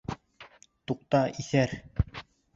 Туҡта, иҫәр.